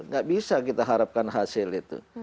nggak bisa kita harapkan hasil itu